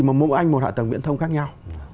mà mỗi anh một hạ tầng viễn thông khác nhau